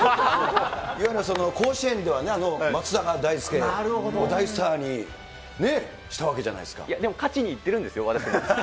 いわゆる甲子園では松坂大輔、大スターにね、したわけじゃないいや、でも、勝ちにいってるんですよ、私も。